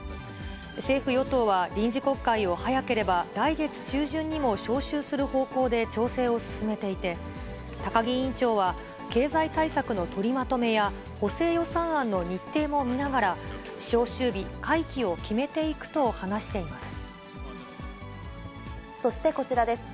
政府・与党は臨時国会を早ければ来月中旬にも召集する方向で調整を進めていて、高木委員長は、経済対策の取りまとめや補正予算案の日程も見ながら、召集日、そしてこちらです。